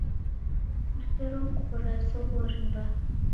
Musero nguwo ra zoghori mbaa